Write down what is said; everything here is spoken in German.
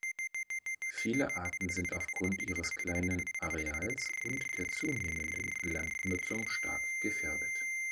Viele Arten sind aufgrund ihres kleinen Areals und der zunehmenden Landnutzung stark gefährdet.